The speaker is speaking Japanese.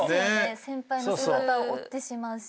先輩の姿を追ってしまうし。